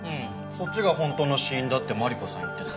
そっちが本当の死因だってマリコさん言ってた。